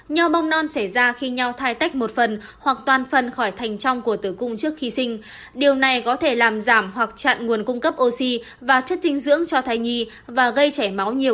và gây chảy máu nhiều ở thai phụ